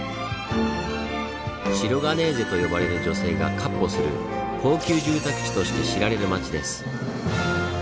「シロガネーゼ」と呼ばれる女性が闊歩する高級住宅地として知られる街です。